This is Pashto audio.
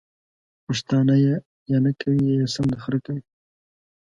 پښتانه ېې یا نکوي یا يې سم د خره کوي!